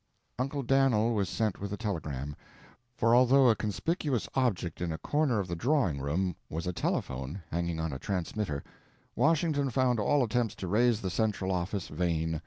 Uncle Dan'l was sent with the telegram; for although a conspicuous object in a corner of the drawing room was a telephone hanging on a transmitter, Washington found all attempts to raise the central office vain.